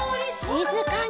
しずかに。